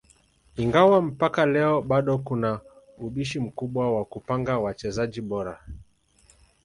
Ingawa mpaka leo bado kuna ubishi mkubwa wa kupanga wachezaji bora